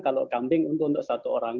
kalau kambing itu untuk satu orang